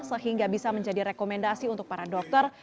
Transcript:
sehingga bisa menjadi rekomendasi untuk para dokter